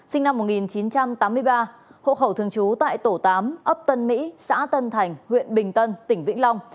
sinh năm một nghìn chín trăm tám mươi ba hộ khẩu thường trú tại tổ tám ấp tân mỹ xã tân thành huyện bình tân tỉnh vĩnh long